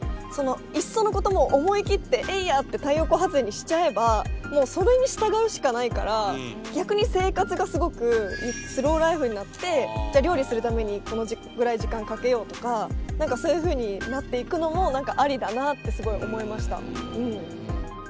いっそのこともう思い切ってエイヤって太陽光発電にしちゃえばもうそれに従うしかないから逆に生活がすごくスローライフになってじゃ料理するためにこのぐらい時間かけようとか何かそういうふうになっていくのもありだなってすごい思いました。